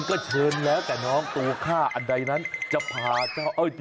งั้นก็เชิญแล้วกับน้องตัวข้าอันใดนั้นจะพาเจ้า